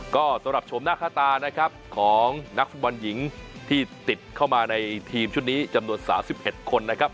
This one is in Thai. ก็สำหรับชมหน้าค่าตานะครับของนักฟุตบอลหญิงที่ติดเข้ามาในทีมชุดนี้จำนวน๓๑คนนะครับ